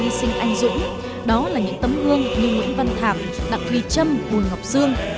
học sinh anh dũng đó là những tấm hương như nguyễn văn thẳng đặng thùy trâm hùi ngọc dương